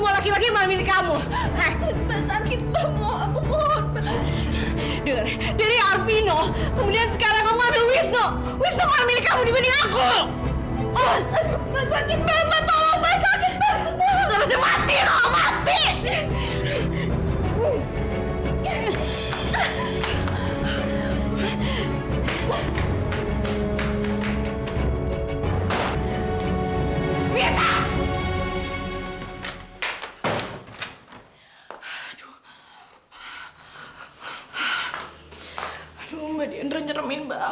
terus kamu mau apa